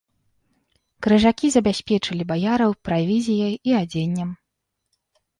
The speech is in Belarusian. Крыжакі забяспечылі баяраў правізіяй і адзеннем.